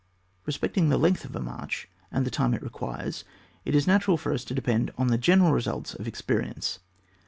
Besfectinq the length of a march and the time it requires, it is natural for us to depend on the general restdte of ex {>erience.